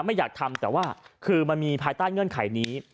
ไม่อยากทำแต่ว่าคือมันมีภายใต้เงื่อนไขนี้